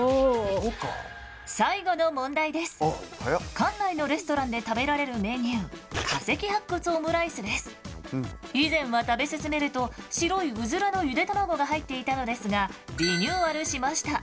館内のレストランで食べられるメニュー以前は食べ進めると白いうずらのゆで卵が入っていたのですがリニューアルしました。